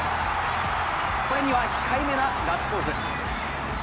これには控えめなガッツポーズ。